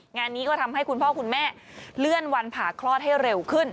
งานนี้ก็ทำให้คุณพ่อคุณแม่เลื่อนวันผ่าคลอดให้เร็วขึ้น